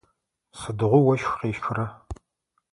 Сыдигъо ощх къещхра?